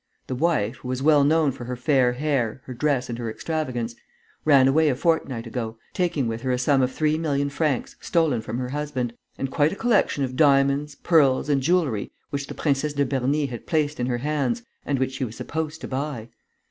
The wife, who was well known for her fair hair, her dress and her extravagance, ran away a fortnight ago, taking with her a sum of three million francs, stolen from her husband, and quite a collection of diamonds, pearls and jewellery which the Princesse de Berny had placed in her hands and which she was supposed to buy.